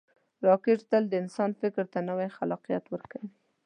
راکټ تل د انسان فکر ته نوی خلاقیت ورکوي